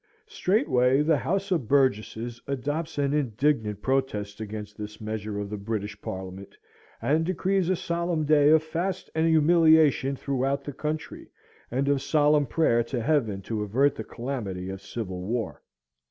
Straightway the House of Burgesses adopts an indignant protest against this measure of the British Parliament, and decrees a solemn day of fast and humiliation throughout the country, and of solemn prayer to Heaven to avert the calamity of Civil War.